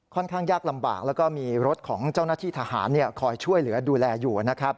ค่อนข้างยากลำบากแล้วก็มีรถของเจ้านาฏฐานคอยช่วยเหลือดูแลอยู่